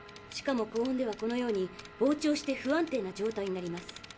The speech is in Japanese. しかも高温ではこのように膨張して不安定な状態になります。